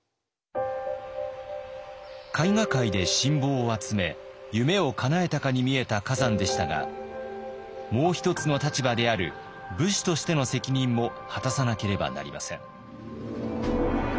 絵画界で信望を集め夢をかなえたかに見えた崋山でしたがもう一つの立場である武士としての責任も果たさなければなりません。